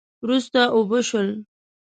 وروسته اوبه شول